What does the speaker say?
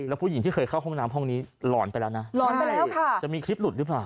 แล้วผู้หญิงที่เคยเข้าห้องน้ำห้องนี้หลอนไปแล้วนะหลอนไปแล้วค่ะจะมีคลิปหลุดหรือเปล่า